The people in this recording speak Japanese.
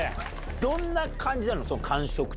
どんな感じなの？